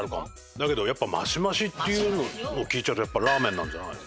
だけどやっぱマシマシっていうのを聞いちゃうとラーメンなんじゃないの？